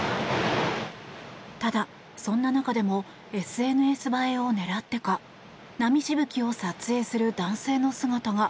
ただ、そんな中でもＳＮＳ映えを狙ってか波しぶきを撮影する男性の姿が。